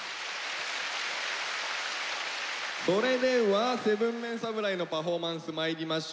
それでは７ＭＥＮ侍のパフォーマンスまいりましょう。